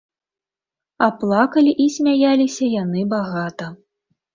А плакалі і смяяліся яны багата.